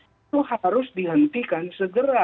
itu harus dihentikan segera